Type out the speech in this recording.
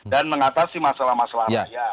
dan mengatasi masalah masalah rakyat